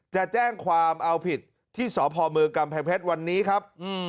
จะแจ้งความเอาผิดที่สพเมืองกำแพงเพชรวันนี้ครับ